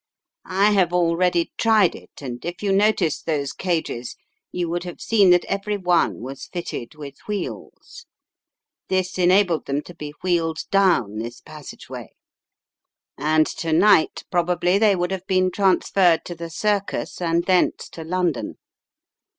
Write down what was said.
"I have already tried it, and if you noticed those cages, you would have seen that every one was fitted with wheels. This enabled them to be wheeled down this passageway, and to night probably they would have been trans ferred to the circus'and thence to London.